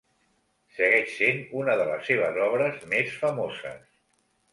Segueix sent una de les seves obres més famoses.